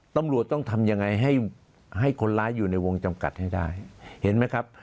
ตำรวจต้องทำยังไงให้ให้คนร้ายอยู่ในวงจำกัดให้ได้เห็นไหมครับ